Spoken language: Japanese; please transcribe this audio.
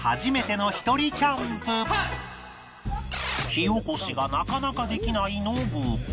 火おこしがなかなかできないノブ